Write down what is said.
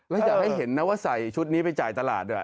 แล้วอยากให้เห็นนะว่าใส่ชุดนี้ไปจ่ายตลาดด้วย